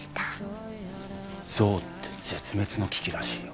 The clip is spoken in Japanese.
象って絶滅の危機らしいよ。